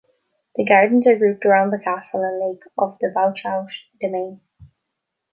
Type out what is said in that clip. The gardens are grouped around the castle and lake of the Bouchout domain.